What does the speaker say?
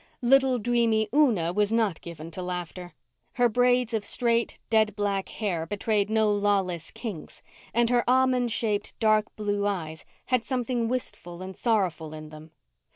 Little dreamy Una was not given to laughter. Her braids of straight, dead black hair betrayed no lawless kinks, and her almond shaped, dark blue eyes had something wistful and sorrowful in them.